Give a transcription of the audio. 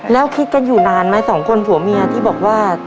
แล้วคิดกันอยู่นานไหมสองคนผัวเมียที่บอกว่า